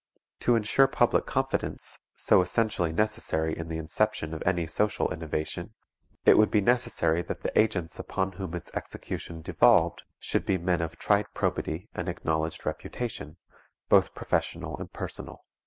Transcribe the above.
To insure public confidence, so essentially necessary in the inception of any social innovation, it would be necessary that the agents upon whom its execution devolved should be men of tried probity and acknowledged reputation, both professional and personal.